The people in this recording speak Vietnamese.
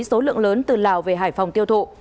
số lượng lớn từ lào về hải phòng tiêu thụ